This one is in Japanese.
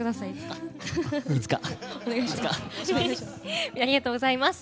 ありがとうございます。